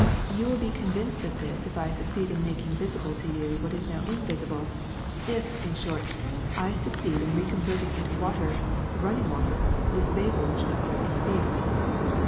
You will be convinced of this if I succeed in making visible to you what is now invisible; if, in short, I succeed in reconverting into water, run ning water, this vapor which no eye can see.